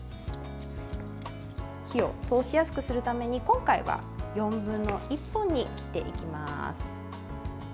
火を通しやすくするために今回は４分の１本に切っていきます。